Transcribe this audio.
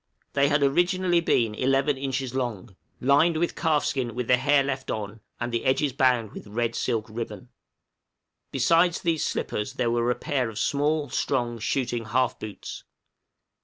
They had originally been 11 inches long, lined with calf skin with the hair left on, and the edges bound with red silk ribbon. Besides these slippers there were a pair of small strong shooting half boots.